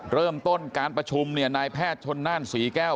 เริ่มต้นการประชุมเนี่ยนายแพทย์ชนน่านศรีแก้ว